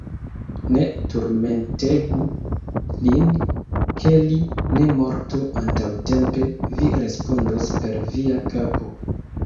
Ne turmentegu lin, ke li ne mortu antaŭtempe: vi respondos per via kapo!